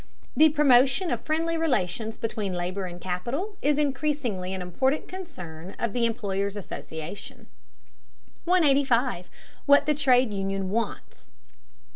The promotion of friendly relations between labor and capital is increasingly an important concern of the employers' association. 185. WHAT THE TRADE UNION WANTS.